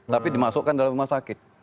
tapi dimasukkan dalam rumah sakit